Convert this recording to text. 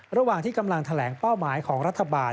ระหว่างที่กำลังแถลงเป้าหมายของรัฐบาล